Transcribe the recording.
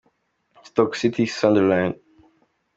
h : Stoke City – Sunderland.